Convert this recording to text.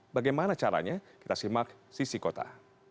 bagaimana caranya kita simak sisi kota